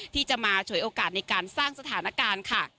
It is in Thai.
ที่จะมาฉวยโอกาสในการสร้างสถานการณ์ค่ะ